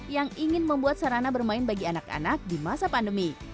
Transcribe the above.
yang ingin membuat sarana bermain bagi anak anak di masa pandemi